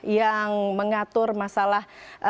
yang mengatur masalah